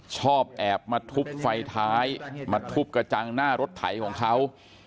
ชอบแอบมาทุบไฟท้ายมาทุบกระจังหน้ารถไถของเขา